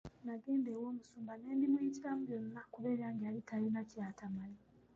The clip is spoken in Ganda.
Nagenda ew'omusumba ne mbimuyitiramu byonna kuba ebyange yali talina ky'atamanyi.